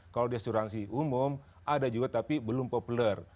kalau di asuransi umum ada juga tapi belum populer